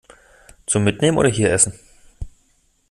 Zum Mitnehmen oder hier essen?